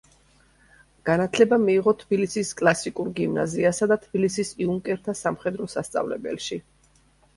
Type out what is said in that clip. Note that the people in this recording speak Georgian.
განათლება მიიღო თბილისის კლასიკური გიმნაზიასა და თბილისის იუნკერთა სამხედრო სასწავლებელში.